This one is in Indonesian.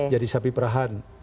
jadi sapi perahan